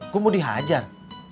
gue mau dihajar